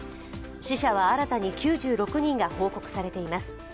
死者は新たに９６人が報告されています。